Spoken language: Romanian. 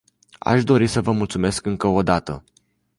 Aș dori să vă mulțumesc încă o dată.